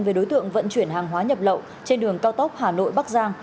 về đối tượng vận chuyển hàng hóa nhập lậu trên đường cao tốc hà nội bắc giang